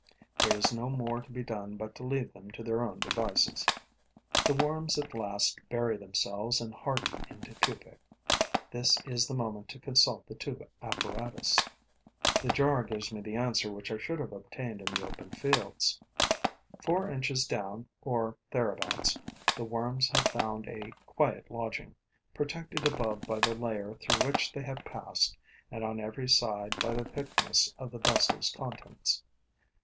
There is no more to be done but to leave them to their own devices. The worms at last bury themselves and harden into pupae. This is the moment to consult the two apparatus. The jar gives me the answer which I should have obtained in the open fields. Four inches down, or thereabouts, the worms have found a quiet lodging, protected above by the layer through which they have passed and on every side by the thickness of the vessel's contents.